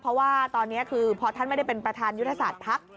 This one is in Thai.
เพราะว่าตอนนี้คือพอท่านไม่ได้เป็นประธานยุทธศาสตร์ภักดิ์